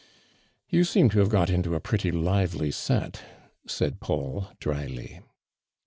"You seem to have got i^ito a pretty lively set," said Paul, drily.